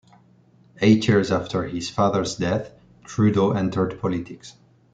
Eight years after his father's death, Trudeau entered politics.